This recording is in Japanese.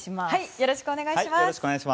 よろしくお願いします。